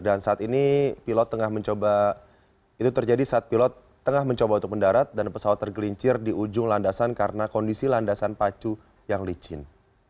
dan saat ini pilot tengah mencoba itu terjadi saat pilot tengah mencoba untuk mendarat dan pesawat tergelincir di ujung landasan karena kondisi landasan pacu yang licin